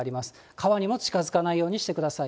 川にも近づかないようにしてください。